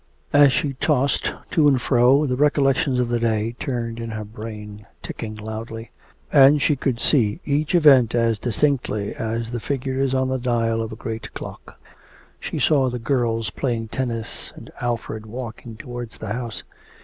As she tossed to and fro, the recollections of the day turned in her brain, ticking loudly; and she could see each event as distinctly as the figures on the dial of a great clock. She saw the girls playing tennis, and Alfred walking towards the house....